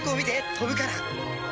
飛ぶから」